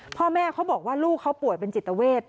พ่อแม่เขาบอกว่าลูกเขาป่วยเป็นจิตเวท